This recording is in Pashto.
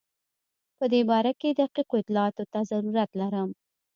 په دې باره کې دقیقو اطلاعاتو ته ضرورت لرم.